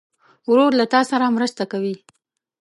ورور له تا سره مرسته کوي.